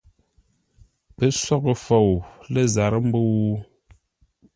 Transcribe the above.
Pə́ sóghʼə fou lə́ zarə́ mbə̂u ?